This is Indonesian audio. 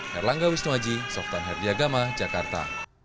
herlangga wisnuaji softan herdiagama jakarta